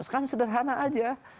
kan sederhana saja